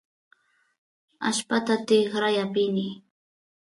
allpata tikray apini